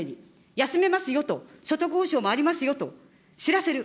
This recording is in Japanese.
休めますよと、所得補償もありますよと、知らせる。